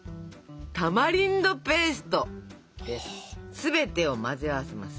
全てを混ぜ合わせます。